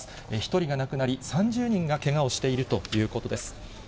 １人が亡くなり、３０人がけがをしているということです。